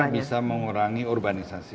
paling tidak bisa mengurangi urbanisasi